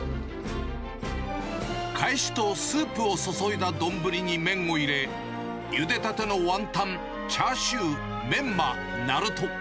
かえしとスープを注いだ丼に麺を入れ、ゆでたてのワンタン、チャーシュー、メンマ、ナルト。